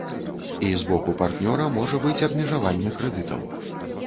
І з боку партнёра можа быць абмежаванне крэдытаў.